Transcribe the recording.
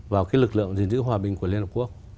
vào cái lực lượng gìn giữ hòa bình của liên hợp quốc